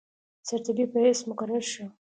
سرطبیب په حیث مقرر شو.